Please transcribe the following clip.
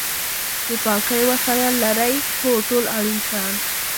د پاکۍ وسایل لرئ؟ هو، ټول اړین شیان